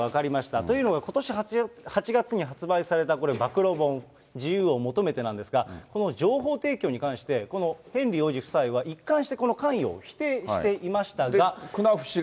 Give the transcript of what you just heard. というのが、ことし８月に発売された、これ、暴露本、自由を求めてなんですが、この情報提供に関して、このヘンリー王子夫妻は、一貫してこの関与を否定していましたが。